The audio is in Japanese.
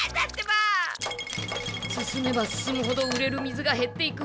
進めば進むほど売れる水がへっていく。